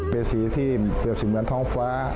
เป็นสีที่เปรียบเสมือนท้องฟ้า